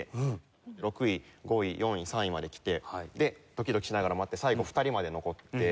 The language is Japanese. ６位５位４位３位まできてでドキドキしながら待って最後２人まで残って。